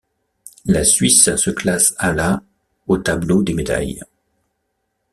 La Suisse se classe à la au tableau des médailles.